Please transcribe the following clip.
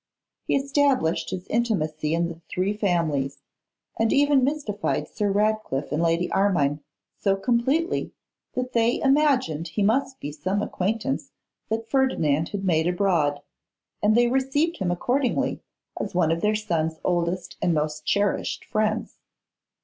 He established his intimacy in the three families, and even mystified Sir Ratcliffe and Lady Armine so completely that they imagined he must be some acquaintance that Ferdinand had made abroad; and they received him accordingly as one of their son's oldest and most cherished friends.